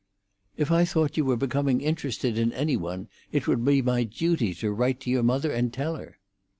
"If I thought you were becoming interested in any one, it would be my duty to write to your mother and tell her."